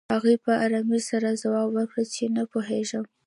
هغې په ارامۍ سره ځواب ورکړ چې نه پوهېږم